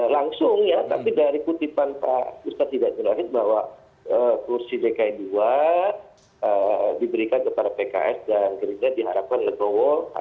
langsung ya tapi dari kutipan pak ustadz hidayat nurwain bahwa kursi dki dua diberikan kepada pks dan diharapkan ilmu satu dua menyebut pak bapak